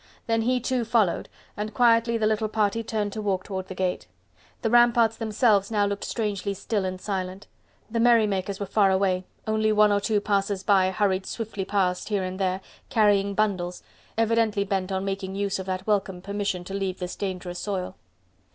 Then he, too, followed, and quietly the little party turned to walk toward the gate. The ramparts themselves now looked strangely still and silent: the merrymakers were far away, only one or two passers by hurried swiftly past here and there, carrying bundles, evidently bent on making use of that welcome permission to leave this dangerous soil.